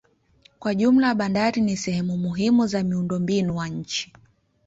Kwa jumla bandari ni sehemu muhimu za miundombinu wa nchi.